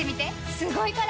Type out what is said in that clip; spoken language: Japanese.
すごいから！